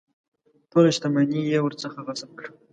ټوله شته مني یې ورڅخه غصب کړه.